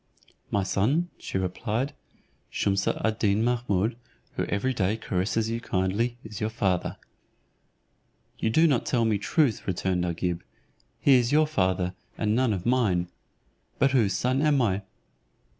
"My son," she replied, "Shumse ad Deen Mahummud, who every day caresses you so kindly, is your father." "You do not tell me truth," returned Agib; "he is your father, and none of mine. But whose son am I?"